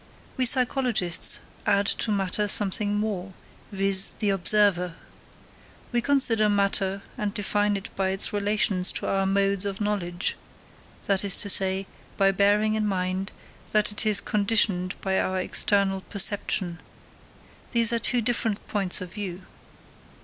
We psychologists add to matter something more, viz. the observer. We consider matter and define it by its relations to our modes of knowledge that is to say, by bearing in mind that it is conditioned by our external perception. These are two different points of view.